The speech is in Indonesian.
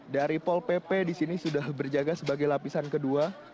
dari pol pp disini sudah berjaga sebagai lapisan kedua